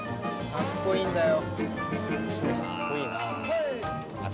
かっこいいんですよ。